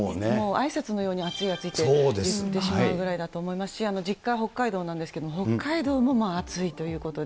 あいさつのように暑い、暑いって言ってしまうぐらいだと思いますし、実家が北海道なんですけど、北海道も暑いということで。